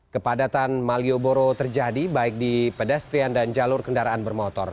kepadatan malioboro terjadi baik di pedestrian dan jalur kendaraan bermotor